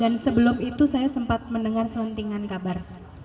dan sebelum itu saya sempat mendengar selentingan kabar